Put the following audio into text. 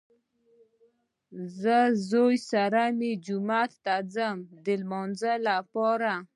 زه زوی سره مې جومات ته ځم د لمانځه لپاره